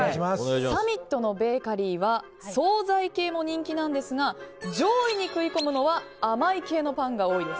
サミットのベーカリーは総菜系も人気なんですが上位に食い込むのは甘い系のパンが多いです。